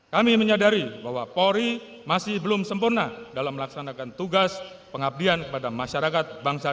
kami menyadari bahwa polri masih belum sempurna dalam melaksanakan tugas pengabdian kepada masyarakat bangsa